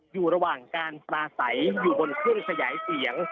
อยู่ระหว่างการปลาใสอยู่บนเครื่องขยายเสียง